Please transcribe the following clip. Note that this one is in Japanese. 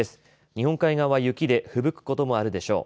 日本海側は雪でふぶくこともあるでしょう。